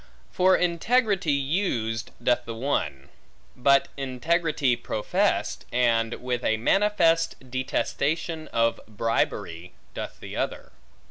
For integrity used doth the one; but integrity professed, and with a manifest detestation of bribery, doth the other.